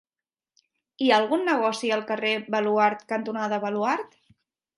Hi ha algun negoci al carrer Baluard cantonada Baluard?